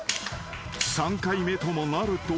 ［３回目ともなると］